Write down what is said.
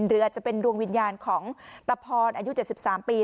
เรือจะเป็นดวงวิญญาณของตะพรอายุ๗๓ปี